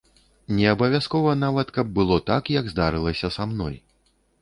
Не абавязкова нават, каб было так, як здарылася са мной.